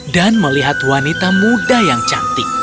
dan melihat wanita muda yang cantik